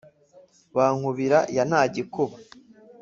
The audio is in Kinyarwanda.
ba nkubira ya ntagikuba,